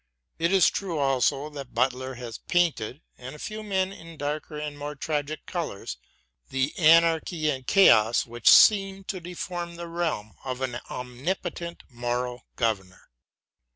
It is true also that Butler has painted — and few men in darker and more tragic colours — ^the anarchy and chaos which seem to deform the realm of an omnipotent moral governor.